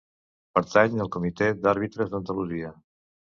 Pertany al Comitè d'Àrbitres d'Andalusia.